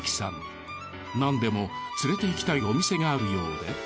なんでも連れていきたいお店があるようで。